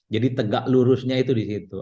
jadi tegak lurusnya itu disitu